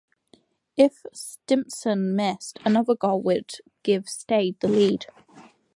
If Stimpson missed, another goal would give Stade the lead.